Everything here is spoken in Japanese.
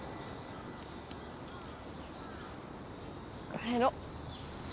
帰ろ。